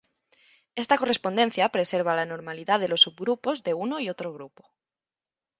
Esta correspondencia preserva la normalidad de los subgrupos de uno y otro grupo.